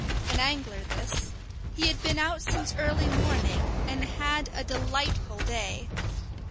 An angler this. He had been out since early morning, and had a delightful day.